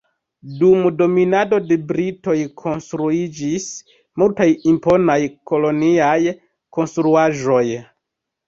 Dum dominado de britoj konstruiĝis multaj imponaj koloniaj konstruaĵoj.